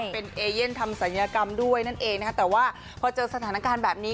เป็นเอเยี่ยนถามศัยเนียร์กรรมด้วยแต่ว่าพอเจอสถานการณ์แบบนี้